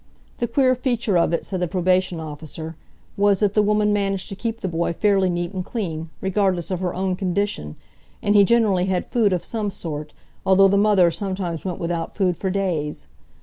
The queer feature of it, said the probation officer, was that the woman managed to keep the boy fairly neat and clean, regardless of her own condition, and he generally had food of some sort, although the mother sometimes went without food for days.